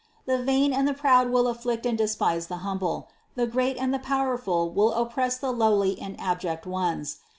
The vain and the proud will afflict and despise the hum ble; the great and the powerful will oppress the lowly and abject ones.